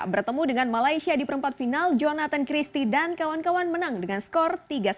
bertemu dengan malaysia di perempat final jonathan christie dan kawan kawan menang dengan skor tiga satu